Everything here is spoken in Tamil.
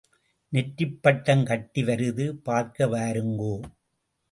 நெற்றிப் பட்டம் கட்டி வருது பார்க்க வாருங்கோ.